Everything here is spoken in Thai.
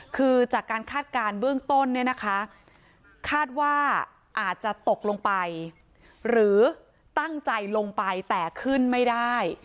คือจากการคาดการณ์เบื้องต้นเนี่ยนะคะคาดว่าอาจจะตกลงไปหรือตั้งใจลงไปแต่ขึ้นไม่ได้